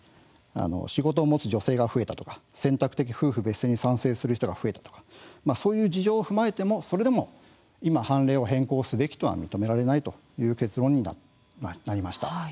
仕事を持つ女性が増えたとか選択的夫婦別姓に賛成する人が増えたという事情を踏まえても今、判例を変更すべきとは認められないという結論になりました。